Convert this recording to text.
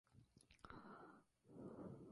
Limita al noroeste con la comuna de Wildhaus-Alt St.